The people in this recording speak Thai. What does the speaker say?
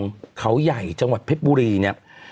ที่เขาใหญ่จังหวัดเพชรบุรีเนี่ย